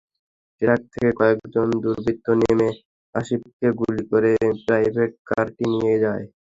Truck থেকে কয়েকজন দুর্বৃত্ত নেমে আসিফকে গুলি করে প্রাইভেট কারটি নিয়ে যায়।